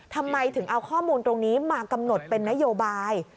ทำไมถึงเอาข้อมูลตรงนี้มากำหนดเป็นนโยบาย